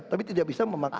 tapi tidak bisa memaksa